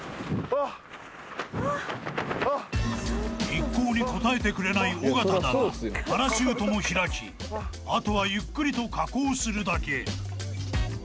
［一向に答えてくれない尾形だがパラシュートも開きあとはゆっくりと下降するだけ］